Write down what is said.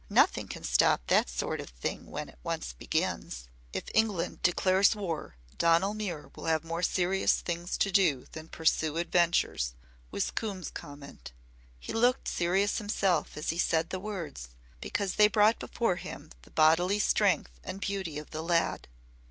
Nothing can stop that sort of thing when it once begins." "If England declares war Donal Muir will have more serious things to do than pursue adventures," was Coombe's comment. He looked serious himself as he said the words, because they brought before him the bodily strength and beauty of the lad.